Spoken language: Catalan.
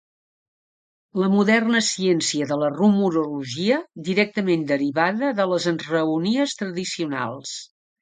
La moderna ciència de la rumorologia, directament derivada de les enraonies tradicionals.